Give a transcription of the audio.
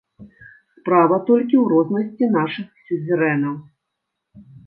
Справа толькі ў рознасці нашых сюзерэнаў.